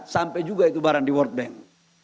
sampai juga itu barang di world bank